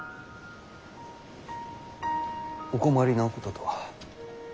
お困りなこととは？